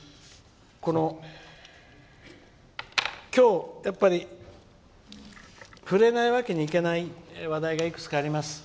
今日、やっぱり触れないわけにはいかない話題がいくつかあります。